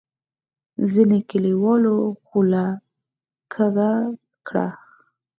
ځینو کلیوالو خوله کږه کړه.